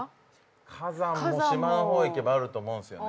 火山も島の方行けばあると思うんすよね